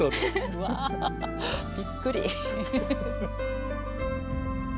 うわびっくり。